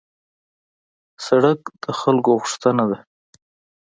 سړک د خلکو غوښتنه ده.